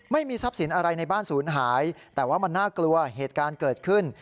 ไม่มีทรัพย์สินอะไรในบ้านศูนย์หายแต่ว่ามันน่ากลัวเหตุการณ์เกิดขึ้น